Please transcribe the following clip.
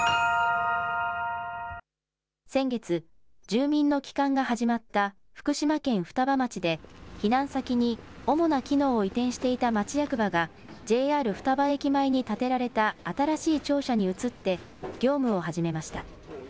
先月、住民の帰還が始まった福島県双葉町で避難先に主な機能を移転していた町役場がＪＲ双葉駅前に建てられた新しい庁舎に移って業務を始めました。